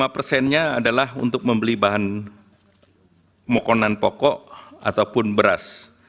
lima persennya adalah untuk membeli bahan makanan pokok ataupun beras